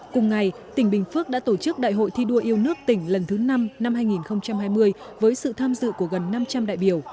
cùng ngày tỉnh bình phước đã tổ chức đại hội thi đua yêu nước tỉnh lần thứ năm năm hai nghìn hai mươi với sự tham dự của gần năm trăm linh đại biểu